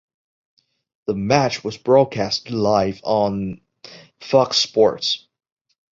The match was broadcast live on Fox Sports.